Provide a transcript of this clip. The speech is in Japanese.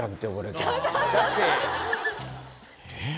えっ？